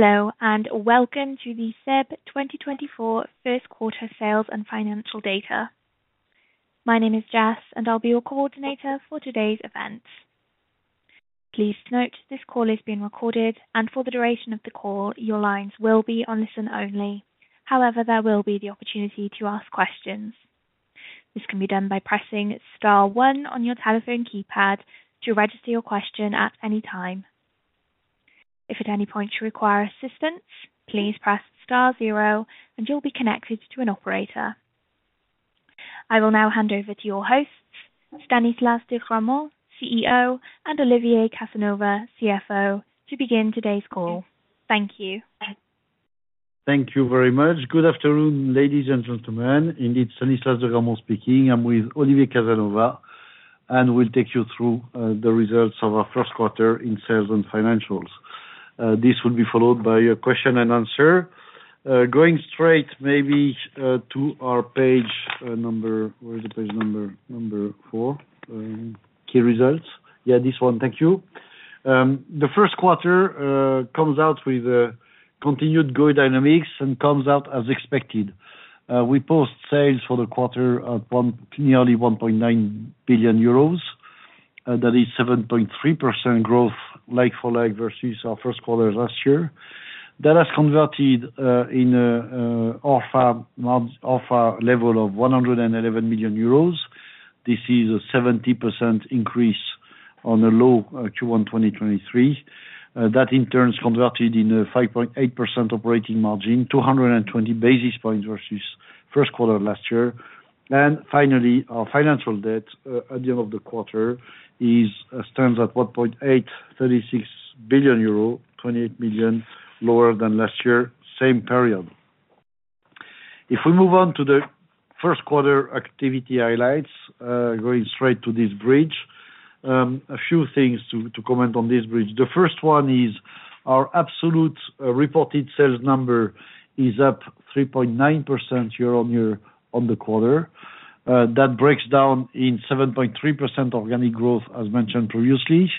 Hello, and welcome to the SEB 2024 first quarter sales and financial data. My name is Jess, and I'll be your coordinator for today's event. Please note, this call is being recorded, and for the duration of the call, your lines will be on listen only. However, there will be the opportunity to ask questions. This can be done by pressing star one on your telephone keypad to register your question at any time. If at any point you require assistance, please press star zero, and you'll be connected to an operator. I will now hand over to your hosts, Stanislas de Gramont, CEO, and Olivier Casanova, CFO, to begin today's call. Thank you. Thank you very much. Good afternoon, ladies and gentlemen. Indeed, Stanislas de Gramont speaking. I'm with Olivier Casanova, and we'll take you through the results of our first quarter in sales and financials. This will be followed by a question and answer. Going straight, maybe, to our page, number four, key results. Yeah, this one. Thank you. The first quarter comes out with continued good dynamics and comes out as expected. We post sales for the quarter upon nearly 1.9 billion euros, that is 7.3% growth, like-for-like, versus our first quarter last year. That has converted in a ORfA level of 111 million euros. This is a 70% increase on a low Q1 2023. That in turn is converted in a 5.8% operating margin, 220 basis points versus first quarter of last year. And finally, our financial debt, at the end of the quarter is, stands at 1.836 billion euro, 28 billion lower than last year, same period. If we move on to the first quarter activity highlights, going straight to this bridge. A few things to, to comment on this bridge. The first one is our absolute, reported sales number is up 3.9% year-on-year on the quarter. That breaks down in 7.3% organic growth, as mentioned previously.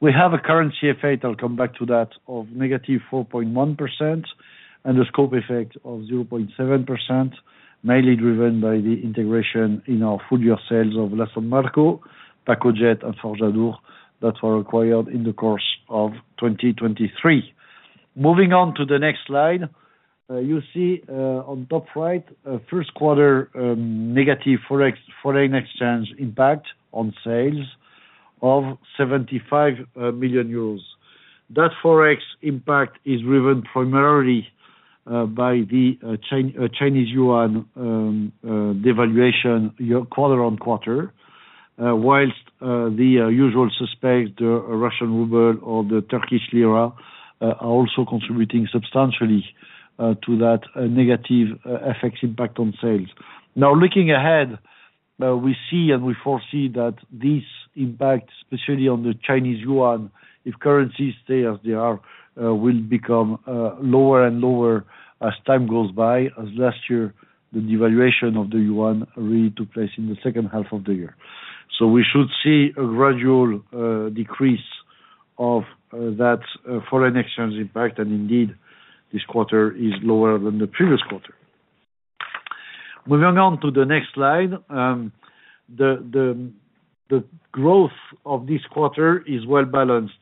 We have a current currency effect, I'll come back to that, of -4.1%, and a scope effect of 0.7%, mainly driven by the integration in our full-year sales of La San Marco, Pacojet and Forge Adour, that were acquired in the course of 2023. Moving on to the next slide, you see, on top right, a first quarter, negative Forex, foreign exchange impact on sales of 75 million euros. That Forex impact is driven primarily, by the, Chinese Yuan, devaluation year quarter on quarter, whilst, the, usual suspect, Russian Ruble or the Turkish Lira, are also contributing substantially, to that, negative, FX impact on sales. Now, looking ahead, we see and we foresee that this impact, especially on the Chinese yuan, if currencies stay as they are, will become lower and lower as time goes by, as last year, the devaluation of the yuan really took place in the second half of the year. So we should see a gradual decrease of that foreign exchange impact, and indeed, this quarter is lower than the previous quarter. Moving on to the next slide. The growth of this quarter is well balanced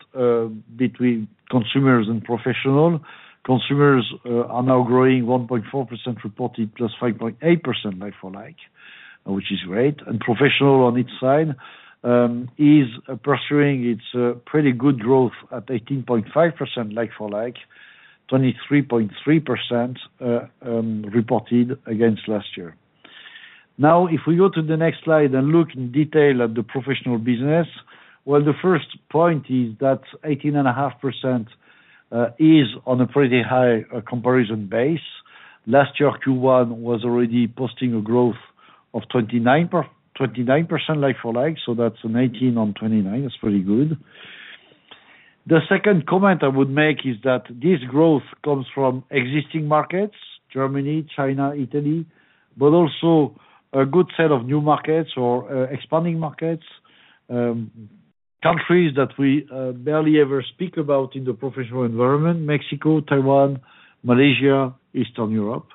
between consumers and professional. Consumers are now growing 1.4%, reported +5.8% like for like, which is great, and professional on each side is pursuing its pretty good growth at 18.5% like for like, 23.3% reported against last year. Now, if we go to the next slide and look in detail at the professional business, well, the first point is that 18.5% is on a pretty high comparison base. Last year, Q1 was already posting a growth of 29% like for like, so that's 19 on 29. That's pretty good. The second comment I would make is that this growth comes from existing markets, Germany, China, Italy, but also a good set of new markets or, expanding markets, countries that we barely ever speak about in the professional environment, Mexico, Taiwan, Malaysia, Eastern Europe.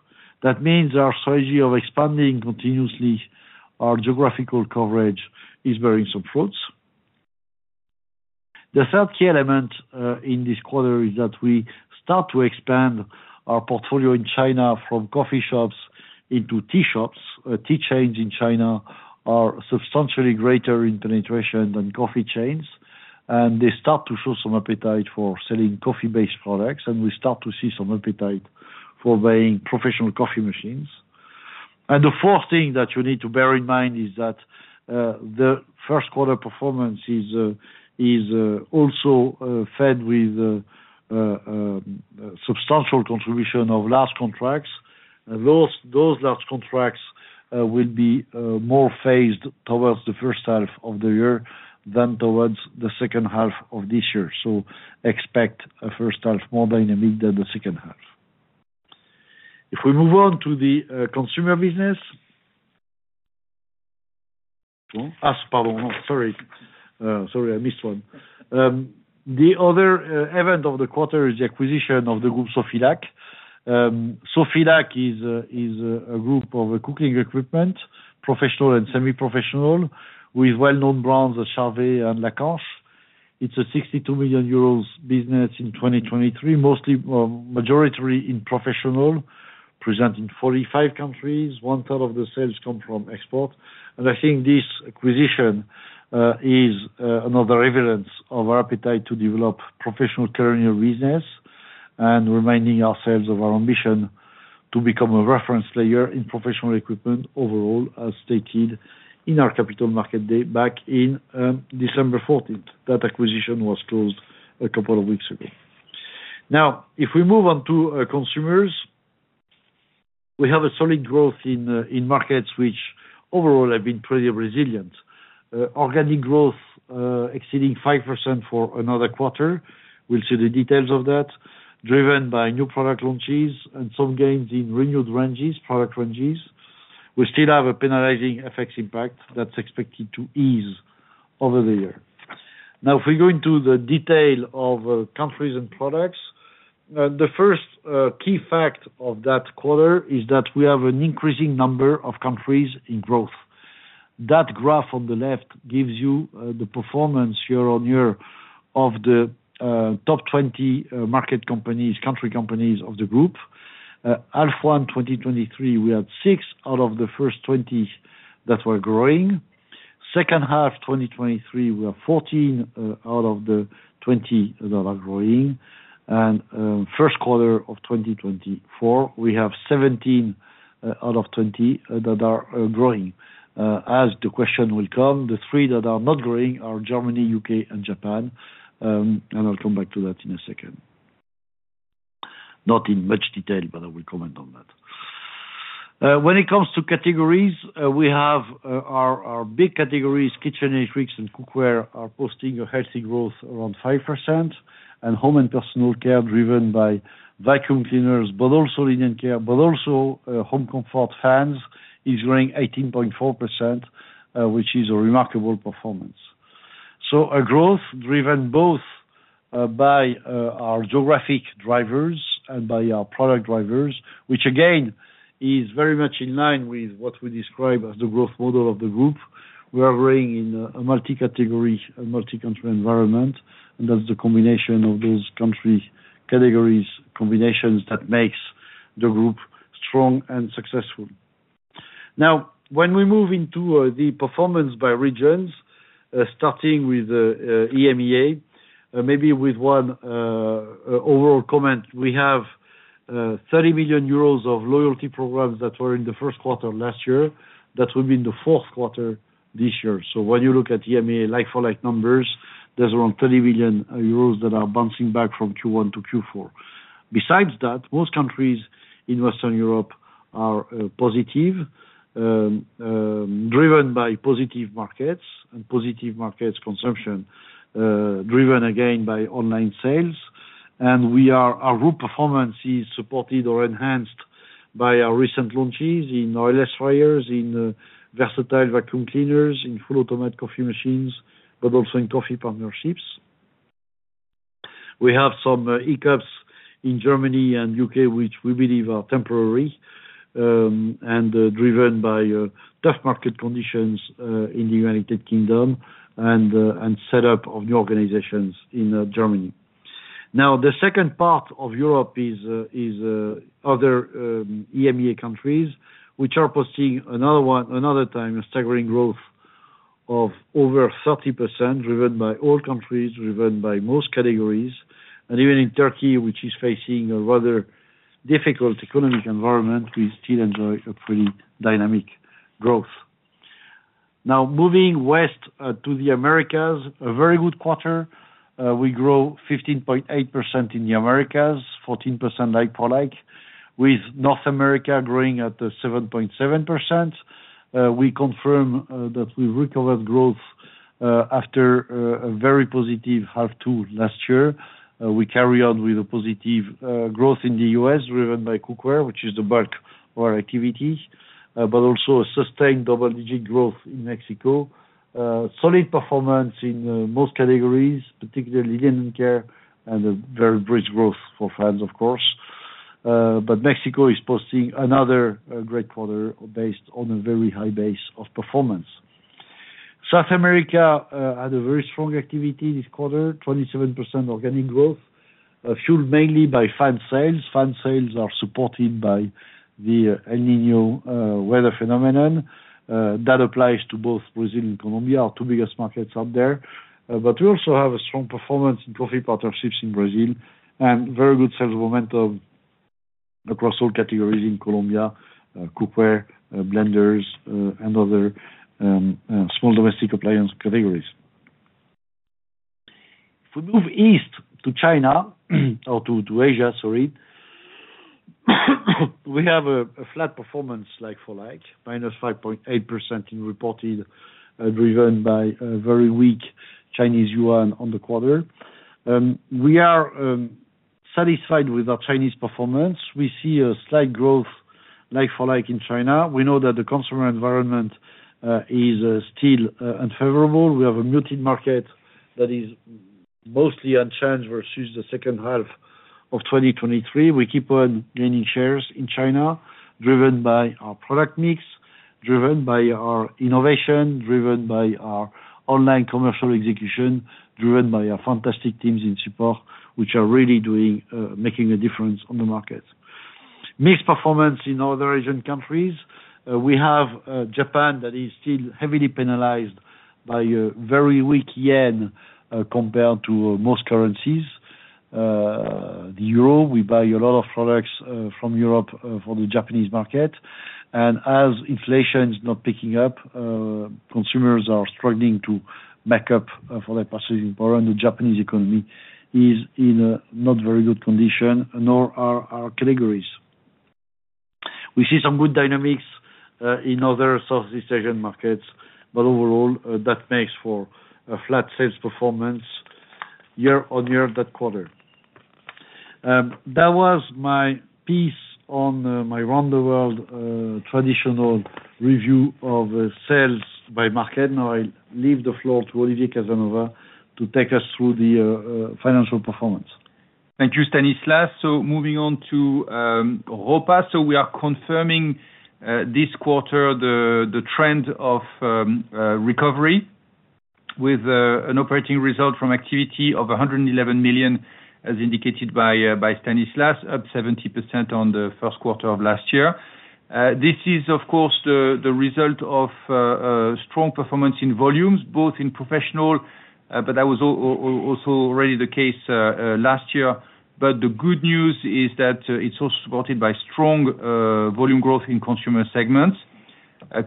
That means our strategy of expanding continuously our geographical coverage is bearing some fruits. The third key element in this quarter is that we start to expand our portfolio in China from coffee shops into tea shops. Tea chains in China are substantially greater in penetration than coffee chains, and they start to show some appetite for selling coffee-based products, and we start to see some appetite for buying professional coffee machines. And the fourth thing that you need to bear in mind is that the first quarter performance is also fed with substantial contribution of large contracts. Those large contracts will be more phased towards the first half of the year than towards the second half of this year. So expect a first half more dynamic than the second half. If we move on to the consumer business... Oh, pardon. Sorry. I missed one. The other event of the quarter is the acquisition of the Groupe Sofilac. Sofilac is a group of cooking equipment, professional and semi-professional, with well-known brands, Charvet and Lacanche. It's a 62 million euros business in 2023, mostly majority in professional, present in 45 countries. One third of the sales come from export. I think this acquisition is another evidence of our appetite to develop professional culinary business and reminding ourselves of our ambition to become a reference player in professional equipment overall, as stated in our capital market day back in December fourteenth. That acquisition was closed a couple of weeks ago. Now, if we move on to consumers, we have a solid growth in markets which overall have been pretty resilient. Organic growth exceeding 5% for another quarter. We'll see the details of that, driven by new product launches and some gains in renewed ranges, product ranges. We still have a penalizing FX impact that's expected to ease over the year. Now, if we go into the detail of countries and products, the first key fact of that quarter is that we have an increasing number of countries in growth. That graph on the left gives you the performance year-on-year of the top 20 market companies, country companies of the group. H1 2023, we had six out of the first 20 that were growing. Second half 2023, we have 14 out of the 20 that are growing. First quarter of 2024, we have 17 out of 20 that are growing. As the question will come, the three that are not growing are Germany, UK, and Japan, and I'll come back to that in a second. Not in much detail, but I will comment on that. When it comes to categories, we have our big categories, kitchen electrics and cookware, are posting a healthy growth around 5%, and home and personal care driven by vacuum cleaners, but also linen care, but also home comfort fans, is growing 18.4%, which is a remarkable performance. So a growth driven both by our geographic drivers and by our product drivers, which again, is very much in line with what we describe as the growth model of the group. We are growing in a multi-category and multi-country environment, and that's the combination of those country categories, combinations that makes the group strong and successful. Now, when we move into the performance by regions, starting with EMEA, maybe with one overall comment. We have 30 million euros of loyalty programs that were in the first quarter of last year, that will be in the fourth quarter this year. So when you look at EMEA like-for-like numbers, there's around 30 million euros that are bouncing back from Q1 to Q4. Besides that, most countries in Western Europe are positive, driven by positive markets, and positive markets consumption, driven again by online sales. And our group performance is supported or enhanced by our recent launches in oil-less fryers, in versatile vacuum cleaners, in full automatic coffee machines, but also in coffee partnerships. We have some ECAPs in Germany and UK, which we believe are temporary, and driven by tough market conditions in the United Kingdom and set up of new organizations in Germany. Now, the second part of Europe is other EMEA countries, which are posting another one, another time, a staggering growth of over 30%, driven by all countries, driven by most categories. And even in Turkey, which is facing a rather difficult economic environment, we still enjoy a pretty dynamic growth. Now, moving west to the Americas, a very good quarter. We grow 15.8% in the Americas, 14% like-for-like, with North America growing at 7.7%. We confirm that we recovered growth after a very positive half two last year. We carry on with a positive growth in the US, driven by cookware, which is the bulk of our activities, but also a sustained double-digit growth in Mexico. Solid performance in most categories, particularly linen care and a very brisk growth for fans, of course. But Mexico is posting another great quarter based on a very high base of performance. South America had a very strong activity this quarter, 27% organic growth, fueled mainly by fan sales. Fan sales are supported by the El Niño weather phenomenon that applies to both Brazil and Colombia, our two biggest markets out there. But we also have a strong performance in coffee partnerships in Brazil, and very good sales momentum across all categories in Colombia, cookware, blenders, and other small domestic appliance categories. If we move east to China, or to Asia, sorry, we have a flat performance like-for-like, -5.8% in reported, driven by a very weak Chinese yuan on the quarter. We are satisfied with our Chinese performance. We see a slight growth, like-for-like in China. We know that the consumer environment is still unfavorable. We have a muted market that is mostly unchanged versus the second half of 2023. We keep on gaining shares in China, driven by our product mix, driven by our innovation, driven by our online commercial execution, driven by our fantastic teams in support, which are really doing making a difference on the market. Mixed performance in other Asian countries, we have Japan, that is still heavily penalized by a very weak yen, compared to most currencies. The euro, we buy a lot of products from Europe for the Japanese market. And as inflation is not picking up, consumers are struggling to make up for their purchasing power, and the Japanese economy is in a not very good condition, nor are our categories. We see some good dynamics in other Southeast Asian markets, but overall, that makes for a flat sales performance year-on-year that quarter. That was my piece on my round the world traditional review of sales by market. Now, I'll leave the floor to Olivier Casanova to take us through the financial performance. Thank you, Stanislas. So moving on to ORfA. We are confirming this quarter the trend of recovery with an operating result from activity of 111 million, as indicated by Stanislas, up 70% on the first quarter of last year. This is, of course, the result of strong performance in volumes, both in professional, but that was also already the case last year. But the good news is that it's also supported by strong volume growth in consumer segments.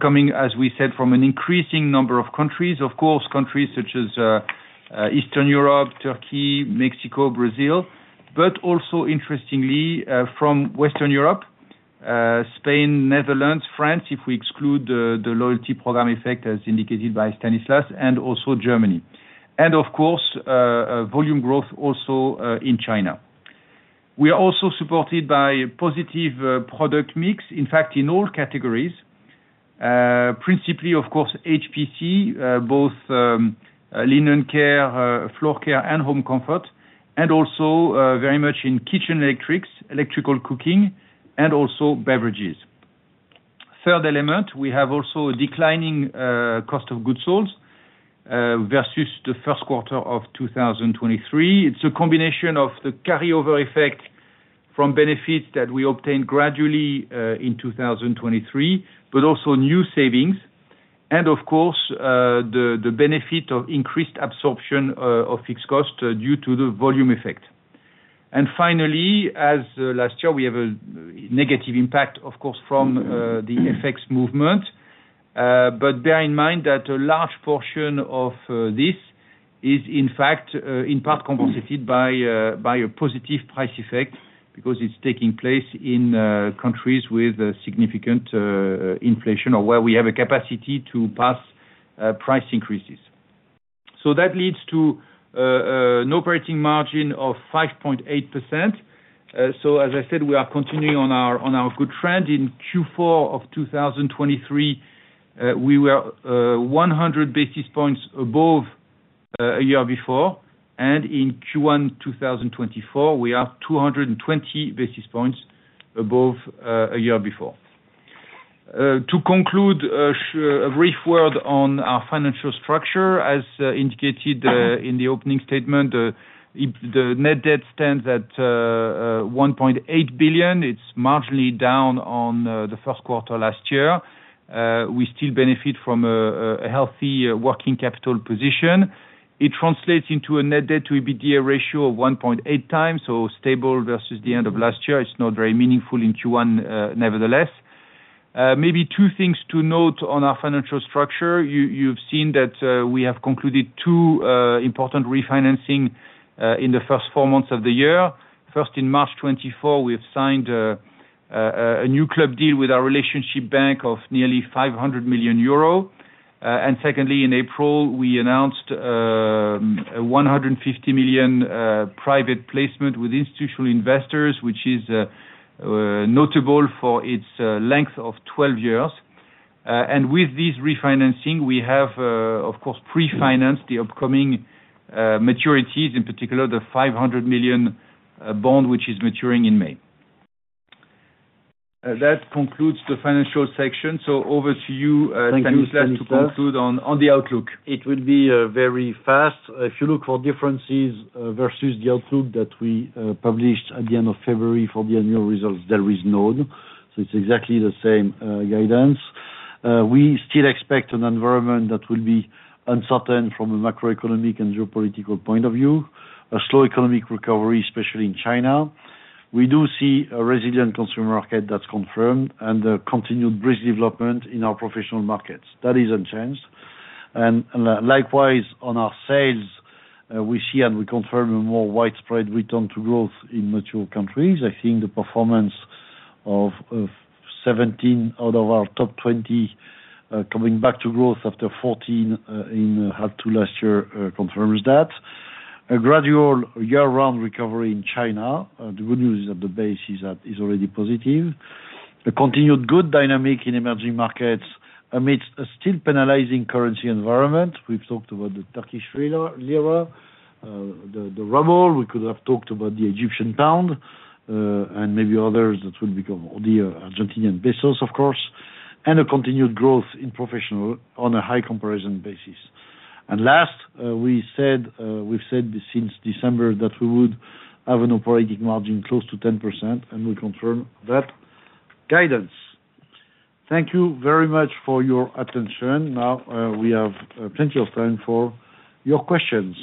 Coming, as we said, from an increasing number of countries, of course, countries such as Eastern Europe, Turkey, Mexico, Brazil, but also interestingly from Western Europe, Spain, Netherlands, France, if we exclude the loyalty program effect, as indicated by Stanislas, and also Germany. And of course, volume growth also in China. We are also supported by positive product mix, in fact, in all categories. Principally, of course, HPC, both linen care, floor care, and home comfort, and also very much in kitchen electrics, electrical cooking, and also beverages. Third element, we have also a declining cost of goods sales versus the first quarter of 2023. It's a combination of the carry-over effect from benefits that we obtained gradually in 2023, but also new savings, and of course, the benefit of increased absorption of fixed costs due to the volume effect. And finally, as last year, we have a negative impact, of course, from the effects movement. But bear in mind that a large portion of this is, in fact, in part compensated by a positive price effect, because it's taking place in countries with significant inflation, or where we have a capacity to pass price increases. So that leads to an operating margin of 5.8%. So as I said, we are continuing on our good trend. In Q4 of 2023, we were 100 basis points above a year before, and in Q1 2024, we are 220 basis points above a year before. To conclude, a brief word on our financial structure as indicated in the opening statement, the net debt stands at 1.8 billion. It's marginally down on the first quarter last year. We still benefit from a healthy working capital position. It translates into a net debt to EBITDA ratio of 1.8x, so stable versus the end of last year. It's not very meaningful in Q1, nevertheless. Maybe two things to note on our financial structure. You, you've seen that we have concluded two important refinancing in the first four months of the year. First, in March 2024, we have signed a new club deal with our relationship bank of nearly 500 million euro. Secondly, in April, we announced a 150 million private placement with institutional investors, which is notable for its length of 12 years. With this refinancing, we have, of course, pre-financed the upcoming maturities, in particular, the 500 million bond, which is maturing in May. That concludes the financial section. So over to you, Stanislas- Thank you, Stanislas.... to conclude on, on the outlook. It will be very fast. If you look for differences versus the outlook that we published at the end of February for the annual results, there is none. So it's exactly the same guidance. We still expect an environment that will be uncertain from a macroeconomic and geopolitical point of view, a slow economic recovery, especially in China. We do see a resilient consumer market that's confirmed, and a continued brisk development in our professional markets. That is unchanged. Likewise, on our sales, we see and we confirm a more widespread return to growth in mature countries. I think the performance of 17 out of our top 20 coming back to growth after 14 in half two last year confirms that. A gradual year-round recovery in China, the good news is at the base is, is already positive. A continued good dynamic in emerging markets amidst a still penalizing currency environment. We've talked about the Turkish lira, the ruble, we could have talked about the Egyptian pound, and maybe others that will become, or the Argentine pesos, of course, and a continued growth in professional on a high comparison basis. And last, we said, we've said since December that we would have an operating margin close to 10%, and we confirm that guidance. Thank you very much for your attention. Now, we have, plenty of time for your questions.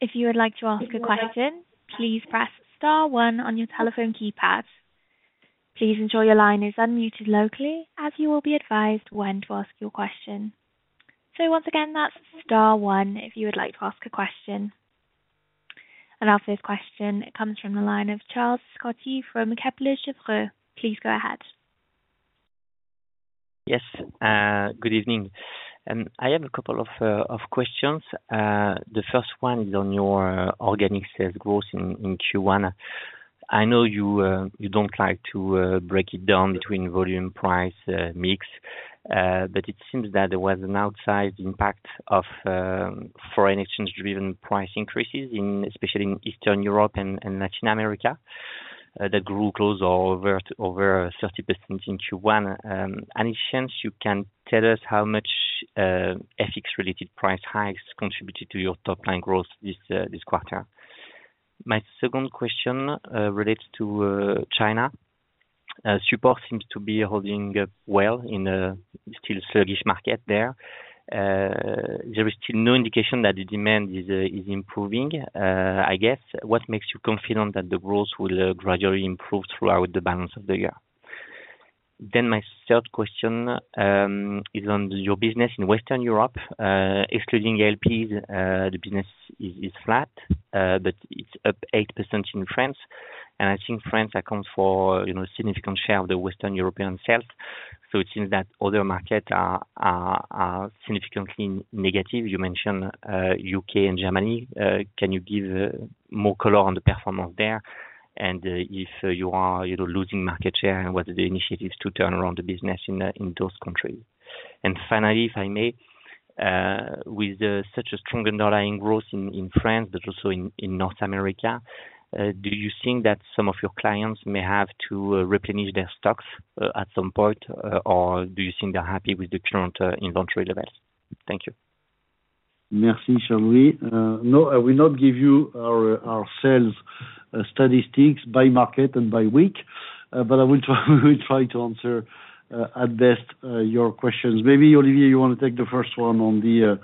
If you would like to ask a question, please press star one on your telephone keypad. Please ensure your line is unmuted locally, as you will be advised when to ask your question. Once again, that's star one, if you would like to ask a question. Our first question comes from the line of Charles Scotti from Kepler Cheuvreux. Please go ahead. Yes, good evening. I have a couple of questions. The first one is on your organic sales growth in Q1. I know you don't like to break it down between volume, price, mix, but it seems that there was an outsized impact of foreign exchange driven price increases in, especially in Eastern Europe and Latin America. That grew close or over 30% in Q1. Any chance you can tell us how much FX related price hikes contributed to your top line growth this quarter? My second question relates to China. Support seems to be holding up well in a still sluggish market there. There is still no indication that the demand is improving. I guess, what makes you confident that the growth will gradually improve throughout the balance of the year? Then my third question is on your business in Western Europe. Excluding LPs, the business is flat, but it's up 8% in France. And I think France accounts for, you know, a significant share of the Western European sales. So it seems that other markets are significantly negative. You mentioned U.K. and Germany. Can you give more color on the performance there? And, if you are, you know, losing market share, and what are the initiatives to turn around the business in those countries? Finally, if I may, with such a strong underlying growth in France, but also in North America, do you think that some of your clients may have to replenish their stocks at some point? Or do you think they're happy with the current inventory levels? Thank you. Merci, shall we? No, I will not give you our sales statistics by market and by week, but I will try to answer at best your questions. Maybe Olivier, you want to take the first one on the,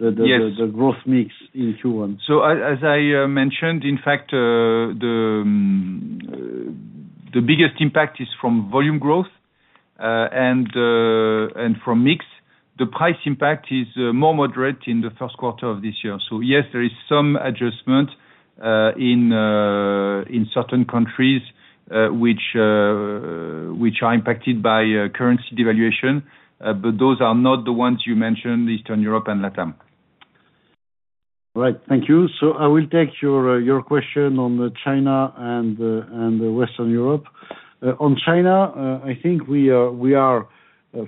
Yes. the growth mix in Q1. So, as I mentioned, in fact, the biggest impact is from volume growth and from mix. The price impact is more moderate in the first quarter of this year. So yes, there is some adjustment in certain countries which are impacted by currency devaluation. But those are not the ones you mentioned, Eastern Europe and Latam. Right. Thank you. So I will take your your question on China and Western Europe. On China, I think we are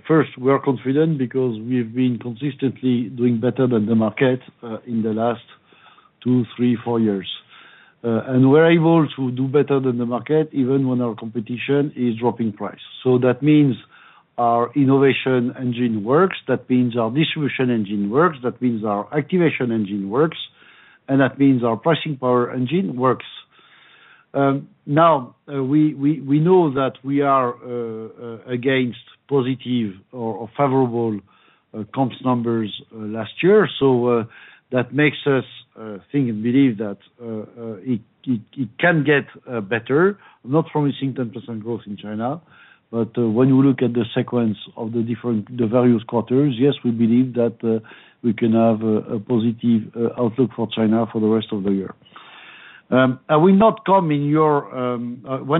first, we are confident because we've been consistently doing better than the market in the last two, three, four years. And we're able to do better than the market, even when our competition is dropping price. So that means our innovation engine works, that means our distribution engine works, that means our activation engine works, and that means our pricing power engine works. Now we know that we are against positive or favorable comps numbers last year, so that makes us think and believe that it can get better. I'm not promising 10% growth in China, but when you look at the sequence of the different, the various quarters, yes, we believe that we can have a positive outlook for China for the rest of the year. When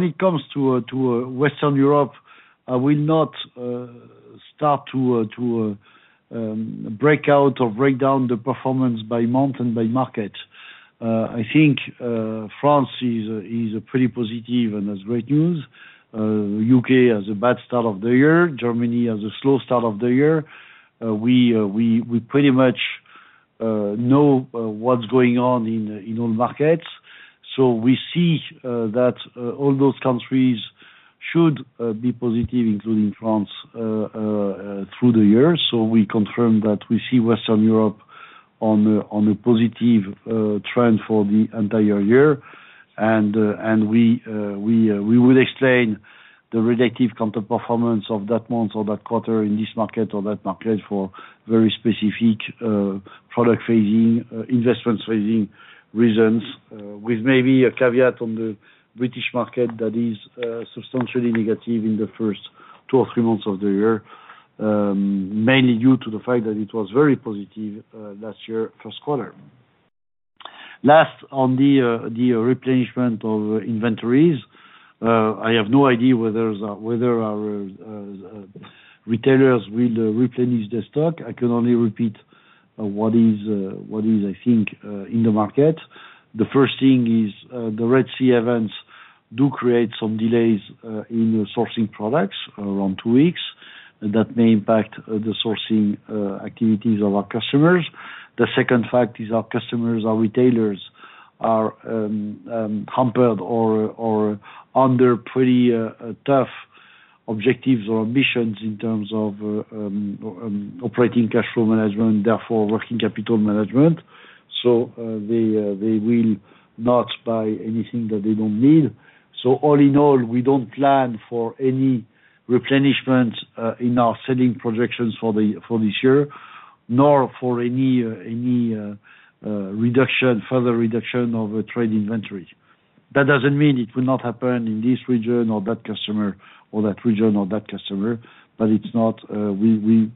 it comes to Western Europe, I will not start to break out or break down the performance by month and by market. I think France is pretty positive and has great news. UK has a bad start of the year, Germany has a slow start of the year. We pretty much know what's going on in all markets. So we see that all those countries should be positive, including France, through the year. So we confirm that we see Western Europe on a positive trend for the entire year. And we will explain the relative counterperformance of that month or that quarter in this market or that market for very specific product phasing investment phasing reasons, with maybe a caveat on the British market that is substantially negative in the first two or three months of the year, mainly due to the fact that it was very positive last year, first quarter. Last, on the replenishment of inventories, I have no idea whether our retailers will replenish their stock. I can only repeat what is, I think, in the market. The first thing is the Red Sea events do create some delays in the sourcing products, around two weeks, that may impact the sourcing activities of our customers. The second fact is our customers, our retailers are hampered or under pretty tough objectives or ambitions in terms of operating cash flow management, therefore working capital management. So they will not buy anything that they don't need. So all in all, we don't plan for any replenishment in our selling projections for this year, nor for any further reduction of trade inventory. That doesn't mean it will not happen in this region, or that customer, or that region, or that customer, but it's not, we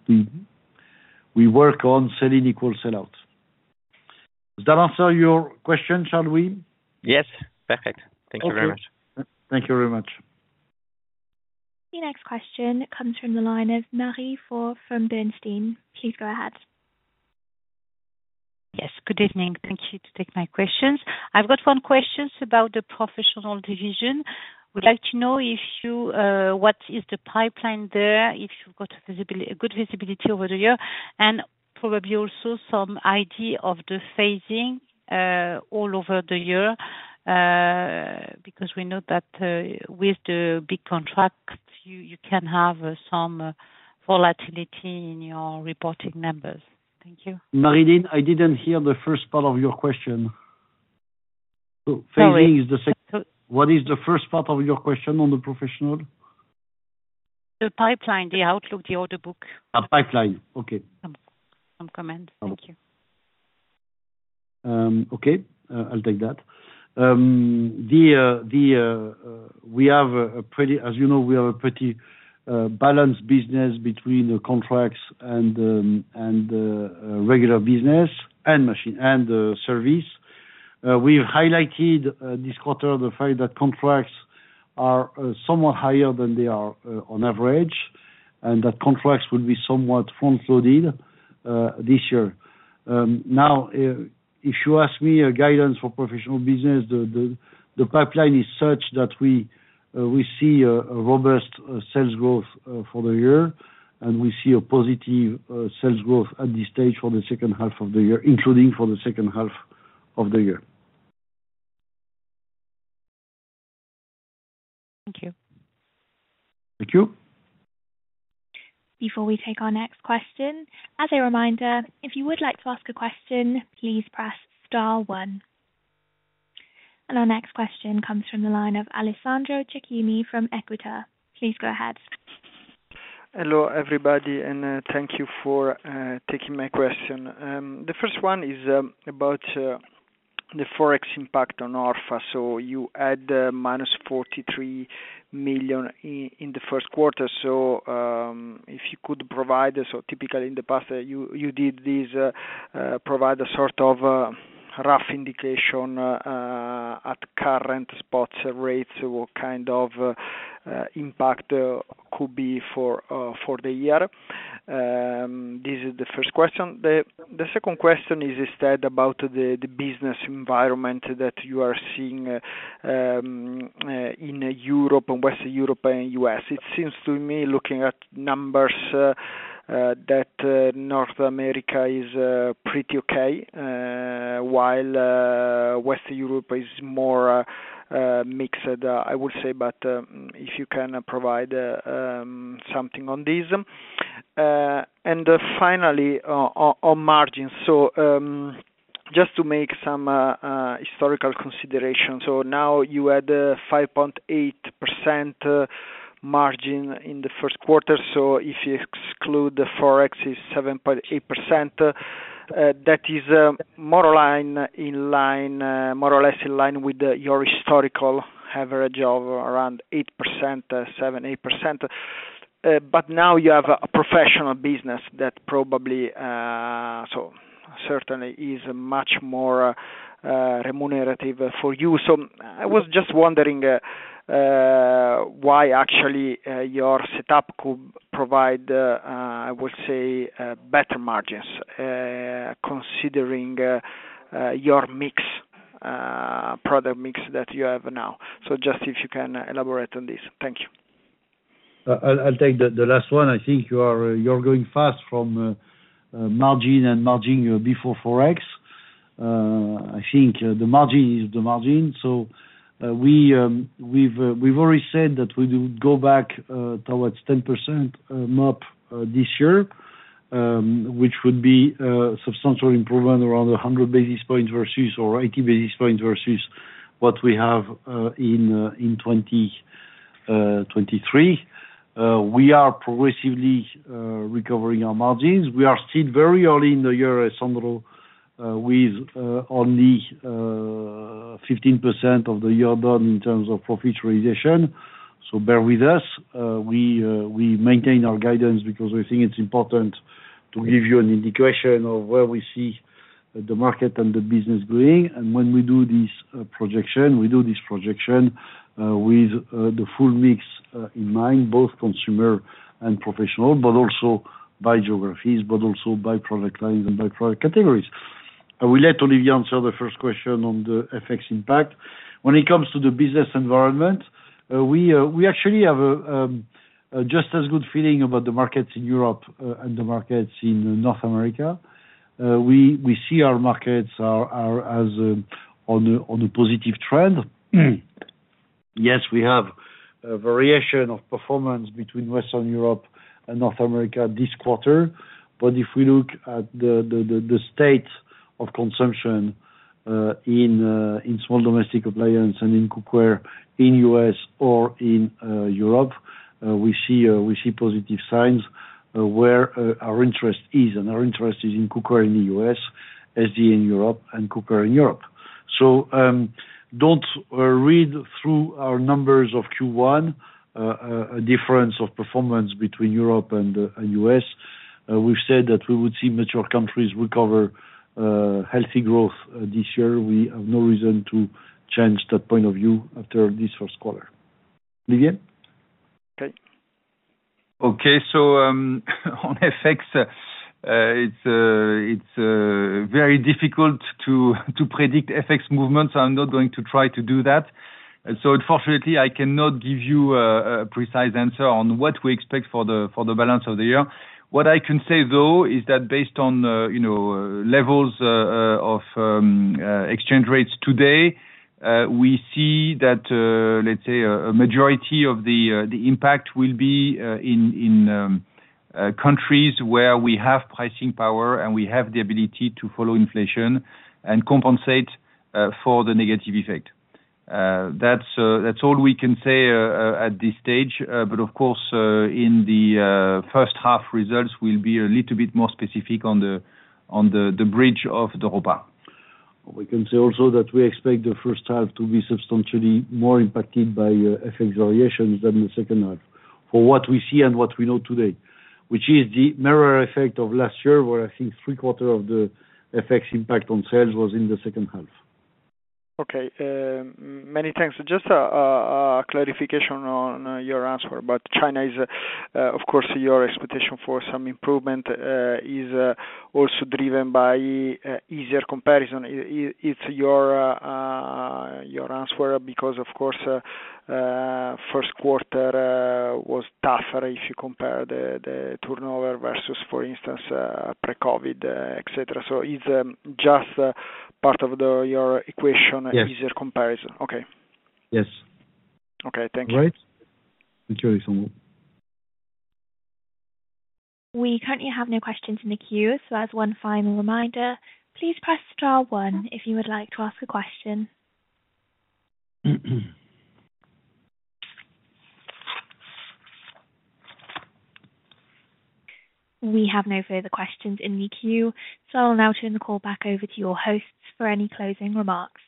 work on sell in equal sell out. Does that answer your question, Charlie? Yes, perfect. Okay. Thank you very much. Thank you very much. The next question comes from the line of Marie Faure from Bernstein. Please go ahead. Yes, good evening. Thank you to take my questions. I've got some questions about the professional division. I would like to know if you, what is the pipeline there, if you've got visibility, a good visibility over the year, and probably also some idea of the phasing, all over the year, because we know that, with the big contracts, you, you can have, some volatility in your reporting numbers. Thank you. Marie, I didn't hear the first part of your question. Sorry. Phasing is the second. What is the first part of your question on the professional? The pipeline, the outlook, the order book. Pipeline. Okay. Some comments. Okay. Thank you. Okay, I'll take that. As you know, we have a pretty balanced business between the contracts and the regular business, and machine, and the service. We have highlighted this quarter the fact that contracts are somewhat higher than they are on average, and that contracts will be somewhat front loaded this year. Now, if you ask me a guidance for professional business, the pipeline is such that we see a robust sales growth for the year, and we see a positive sales growth at this stage for the second half of the year, including for the second half of the year. Thank you. Thank you. Before we take our next question, as a reminder, if you would like to ask a question, please press star one. Our next question comes from the line of Alessandro Cecchini from Equita. Please go ahead. Hello, everybody, and thank you for taking my question. The first one is about the Forex impact on ORfA. So you add minus 43 million in the first quarter. So if you could provide, so typically in the past, you did this, provide a sort of rough indication at current spot rates, what kind of impact could be for the year? This is the first question. The second question is instead about the business environment that you are seeing in Europe and Western Europe and U.S. It seems to me, looking at numbers, that North America is pretty okay, while Western Europe is more mixed, I would say. But if you can provide something on this. And finally, on margins, so just to make some historical considerations, so now you have a 5.8% margin in the first quarter, so if you exclude the Forex's 7.8%, that is more or less in line with your historical average of around 8%, 7-8%. But now you have a professional business that probably so certainly is much more remunerative for you. So I was just wondering why actually your setup could provide, I would say, better margins considering your mix, product mix that you have now. So just if you can elaborate on this. Thank you. I'll take the last one. I think you're going fast from margin and margin before Forex. I think the margin is the margin. So, we've already said that we will go back towards 10% MUP this year, which would be substantial improvement around 100 basis points versus or 80 basis points versus what we have in 2023. We are progressively recovering our margins. We are still very early in the year, Sandro, with only 15% of the year done in terms of profit realization. So bear with us, we maintain our guidance because we think it's important to give you an indication of where we see the market and the business going. And when we do this projection, we do this projection with the full mix in mind, both consumer and professional, but also by geographies, but also by product lines and by product categories. I will let Olivier answer the first question on the FX impact. When it comes to the business environment, we actually have a just as good feeling about the markets in Europe and the markets in North America. We see our markets are as on a positive trend. Yes, we have a variation of performance between Western Europe and North America this quarter, but if we look at the state of consumption in small domestic appliance and in cookware, in U.S. or in Europe, we see positive signs where our interest is, and our interest is in cookware in the U.S., SD in Europe, and cookware in Europe. So, don't read through our numbers of Q1 a difference of performance between Europe and U.S. We've said that we would see mature countries recover healthy growth this year. We have no reason to change that point of view after this first quarter. Olivier? Okay. So, on FX, it's very difficult to predict FX movements. I'm not going to try to do that. So unfortunately, I cannot give you a precise answer on what we expect for the balance of the year. What I can say, though, is that based on you know levels of exchange rates today, we see that let's say a majority of the impact will be in countries where we have pricing power, and we have the ability to follow inflation and compensate for the negative effect. That's all we can say at this stage. Of course, in the first half results we'll be a little bit more specific on the bridge of the ORfA. We can say also that we expect the first half to be substantially more impacted by FX variations than the second half, for what we see and what we know today. Which is the mirror effect of last year, where I think three-quarters of the FX impact on sales was in the second half. Okay, many thanks. Just a clarification on your answer, but China is, of course, your expectation for some improvement is also driven by easier comparison. It's your answer, because of course, first quarter was tougher if you compare the turnover versus, for instance, pre-COVID, et cetera. So it's just part of your equation- Yes. easier comparison. Okay. Yes. Okay. Thank you. All right. Thank you, everyone. We currently have no questions in the queue. So as one final reminder, please press star one if you would like to ask a question. We have no further questions in the queue, so I'll now turn the call back over to your hosts for any closing remarks.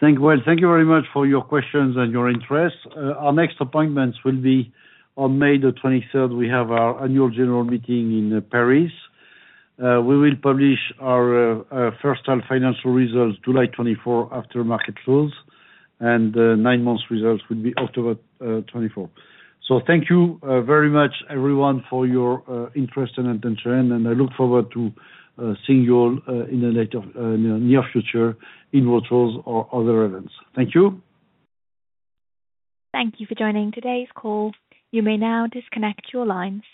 Well, thank you very much for your questions and your interest. Our next appointments will be on May the 23rd. We have our annual general meeting in Paris. We will publish our first-half financial results July 24th, after market close, and nine months results will be October 24th. Thank you very much everyone, for your interest and attention, and I look forward to seeing you all in the near future in virtual or other events. Thank you. Thank you for joining today's call. You may now disconnect your lines.